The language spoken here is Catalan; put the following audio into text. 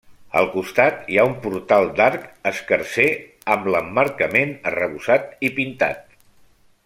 Al costat hi ha un portal d'arc escarser amb l'emmarcament arrebossat i pintat.